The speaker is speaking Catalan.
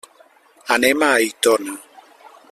Anem a Aitona.